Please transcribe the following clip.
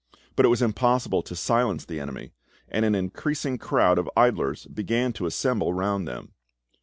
But it was impossible to silence the enemy, and an increasing crowd of idlers began to assemble round them.